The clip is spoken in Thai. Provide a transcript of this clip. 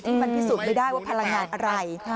มันพิสูจน์ไม่ได้ว่าพลังงานอะไร